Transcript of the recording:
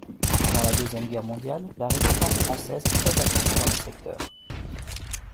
Pendant la Deuxième Guerre mondiale, la Résistance française est très active dans le secteur.